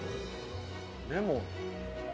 レモン。